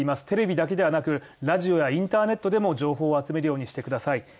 テレビだけではなくラジオやインターネットでも情報を集めるようにしてください。